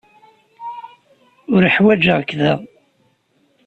Uḥwaǧeɣ-k da.